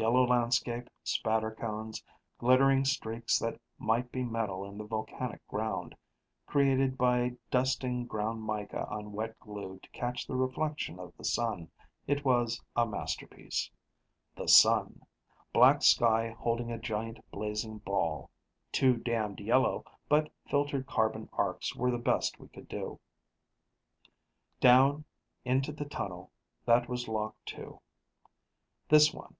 Yellow landscape, spatter cones, glittering streaks that might be metal in the volcanic ground created by dusting ground mica on wet glue to catch the reflection of the sun. It was a masterpiece. The sun. Black sky holding a giant, blazing ball. Too damned yellow, but filtered carbon arcs were the best we could do. Down, into the tunnel that was lock two. This next one